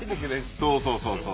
そうそうそうそう。